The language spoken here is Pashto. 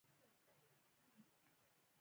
• غونډۍ د سیلانیانو پام ځان ته را اړوي.